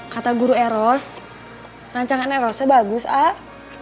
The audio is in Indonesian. kata guru eros rancangan erosnya bagus ah